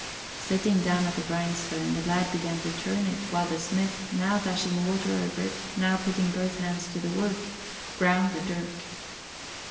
Sitting down at the grindstone, the lad began to turn it while the smith, now dashing water over it, now putting both hands to the work, ground the dirk.